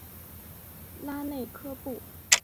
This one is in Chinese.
拉内科布。